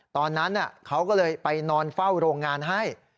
ตอนนั้นเขาก็เลยไปนอนเฝ้าโรงงานให้